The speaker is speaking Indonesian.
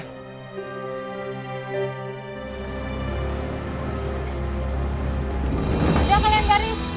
udah kalian garis